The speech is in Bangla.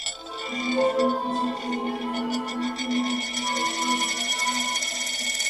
জানো, সবাইকে যেতে দেওয়ার পর, দুনিয়াটা ঘুরেছি আমি, তাদের মধ্যে থেকেছি।